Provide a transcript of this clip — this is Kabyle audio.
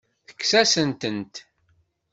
Tekkes-asent-tent.